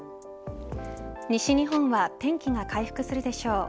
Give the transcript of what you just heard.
西日本は天気が回復するでしょう。